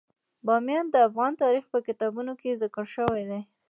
بامیان د افغان تاریخ په کتابونو کې ذکر شوی دي.